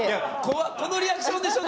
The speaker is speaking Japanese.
このリアクションでしょ？